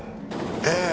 ええ。